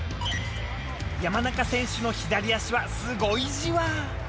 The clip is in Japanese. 山中選手の左足はすごいじわ。